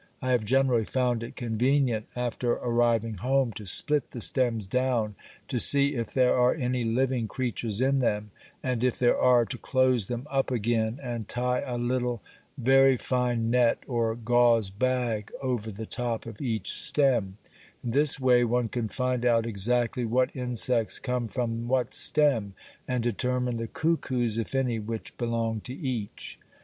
I have generally found it convenient, after arriving home, to split the stems down, to see if there are any living creatures in them, and, if there are, to close them up again, and, tie a little very fine net or gauze bag over the top of each stem; in this way one can find out exactly what insects come from what stem, and determine the cuckoos (if any) which belong to each.